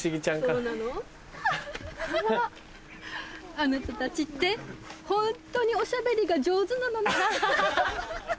あなたたちってホントにおしゃべりが上手なのね！